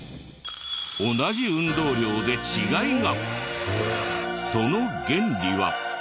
同じ運動量で違いが。